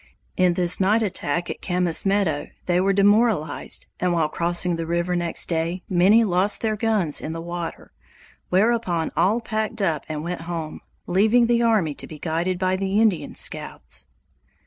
In this night attack at Camas Meadow, they were demoralized, and while crossing the river next day many lost their guns in the water, whereupon all packed up and went home, leaving the army to be guided by the Indian scouts.